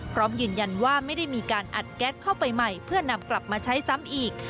พร้อมยืนยันว่าไม่ได้มีการอัดแก๊สเข้าไปใหม่เพื่อนำกลับมาใช้ซ้ำอีก